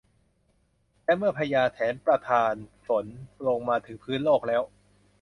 และเมื่อพญาแถนประทานฝนลงมาถึงพื้นโลกแล้ว